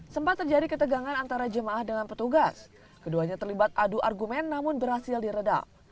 sempat terjadi ketegangan antara jemaah dengan petugas keduanya terlibat adu argumen namun berhasil diredam